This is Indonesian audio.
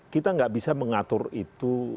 kita nggak bisa mengatur itu